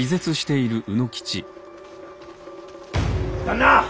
旦那！